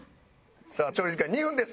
さあ調理時間２分です。